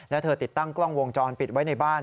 และเธอติดตั้งกล้องวงจรปิดไว้ในบ้าน